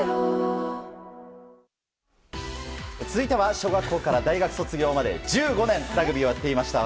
ＪＴ続いては小学校から大学卒業まで１５年ラグビーをやっていました